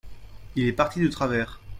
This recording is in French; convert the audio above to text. il est parti de travers.